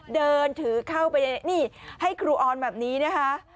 เดินถือเข้าไปนี่ให้ครูออนแบบนี้นะคะ